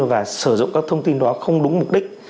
và sử dụng các thông tin đó không đúng mục đích